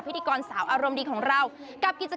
พีดีกรสาวอร่มดิของเรา